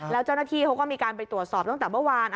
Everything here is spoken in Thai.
แล้วเจ้าหน้าที่เขาก็มีการไปตรวจสอบตั้งแต่เมื่อวาน